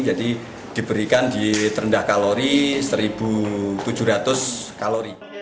jadi diberikan di terendah kalori satu tujuh ratus kalori